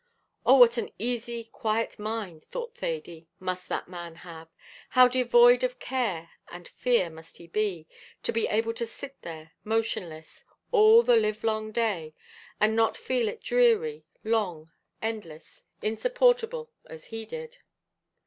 Oh, what an easy, quiet mind, thought Thady, must that man have how devoid of care and fear must he be, to be able to sit there motionless all the live long day, and not feel it dreary, long, endless, insupportable, as he did.